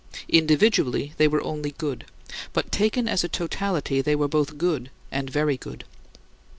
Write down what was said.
Individually they were only good; but taken as a totality they were both good and very good.